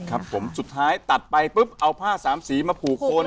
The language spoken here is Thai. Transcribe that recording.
ครับผมสุดท้ายตัดไปปุ๊บเอาผ้าสามสีมาผูกคน